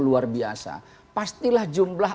luar biasa pastilah jumlah